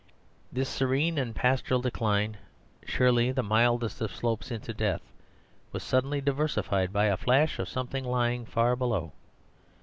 This serene and pastoral decline, surely the mildest of slopes into death, was suddenly diversified by a flash of something lying far below.